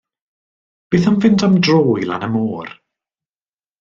Beth am fynd am dro i lan y môr.